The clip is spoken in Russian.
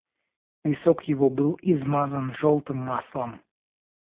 Висок его был измазан желтым маслом.